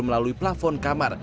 melalui plafon kamar